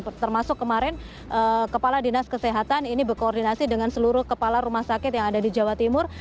termasuk kemarin kepala dinas kesehatan ini berkoordinasi dengan seluruh kepala rumah sakit yang ada di jawa timur